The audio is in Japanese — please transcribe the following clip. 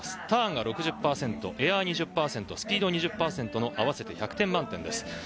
ターンが６０％エアが２０％、スピード２０％の合わせて１００点満点です。